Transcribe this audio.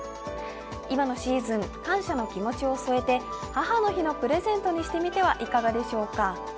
今のシーズン、感謝の気持ちを添えて母の日のプレゼントにしてみてはいかがでしょうか？